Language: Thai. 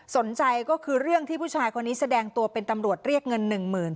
สนใจก็คือเรื่องที่ผู้ชายคนนี้แสดงตัวเป็นตำรวจเรียกเงินหนึ่งหมื่น